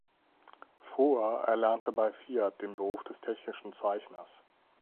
Frua erlernte bei Fiat den Beruf des technischen Zeichners.